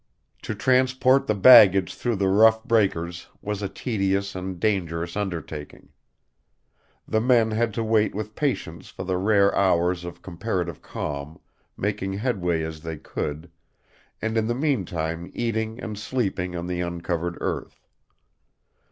To transport the baggage through the rough breakers was a tedious and dangerous undertaking. The men had to wait with patience for the rare hours of comparative calm, making headway as they could, and in the mean time eating and sleeping on the uncovered earth.